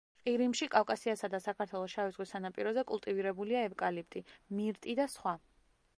ყირიმში, კავკასიასა და საქართველოს შავი ზღვის სანაპიროზე კულტივირებულია ევკალიპტი, მირტი და სხვა.